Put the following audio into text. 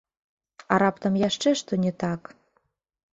А раптам яшчэ што не так?